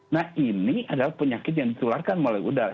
nah ini adalah penyakit yang ditularkan melalui udara